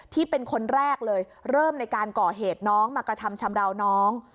ที่เป็นคนแรกเลยเริ่มในการก่อเหตุน้องมากระทำชำราวน้อง